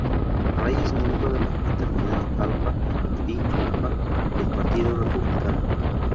Ray es miembro de la fraternidad Alpha Phi Alpha, y el Partido Republicano.